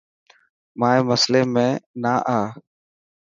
مائي مسلي ۾ نا آءِ.